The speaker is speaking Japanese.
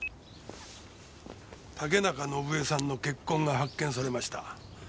竹中伸枝さんの血痕が発見されました。